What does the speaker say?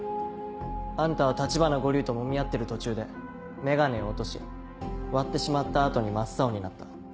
あんたは橘五柳ともみ合ってる途中で眼鏡を落とし割ってしまった後に真っ青になった。